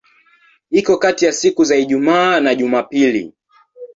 Iko kati ya siku za Ijumaa na Jumapili.